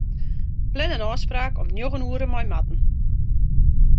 Plan in ôfspraak om njoggen oere mei Marten.